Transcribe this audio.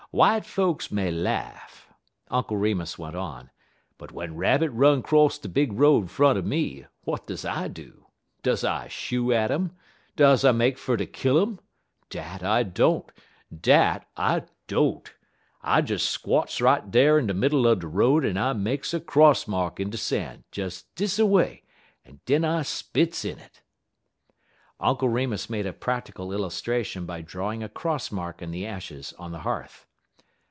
W'ite folks may laugh," Uncle Remus went on, "but w'en rabbit run 'cross de big road front er me, w'at does I do? Does I shoo at um? Does I make fer ter kill um? Dat I don't dat I don't! I des squots right down in de middle er de road, en I makes a cross mark in de san' des dis way, en den I spits in it." Uncle Remus made a practical illustration by drawing a cross mark in the ashes on the hearth.